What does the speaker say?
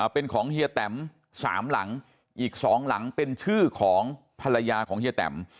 เป็นของเฮียแตม๓หลังอีก๒หลังเป็นชื่อของภรรยาของเฮียแตม